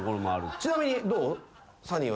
ちなみにどう？